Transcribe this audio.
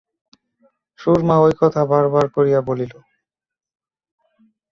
সুরমা ওই কথা বার বার করিয়া বলিল।